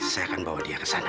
saya akan bawa dia ke sana